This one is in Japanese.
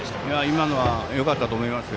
今のはよかったと思います。